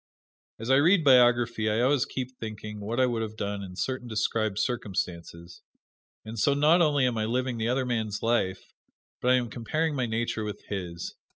As I read biography I always keep thinking what I would have done in certain described circumstances, and so not only am I living the other man's life, but I am comparing my nature with his.